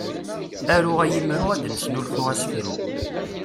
Aru ay imru ad d-nesnulfu asefru.